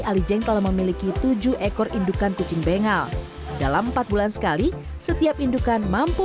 alijeng telah memiliki tujuh ekor indukan kucing bengal dalam empat bulan sekali setiap indukan mampu